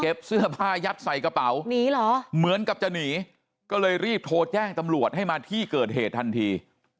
เสื้อผ้ายัดใส่กระเป๋าหนีเหรอเหมือนกับจะหนีก็เลยรีบโทรแจ้งตำรวจให้มาที่เกิดเหตุทันที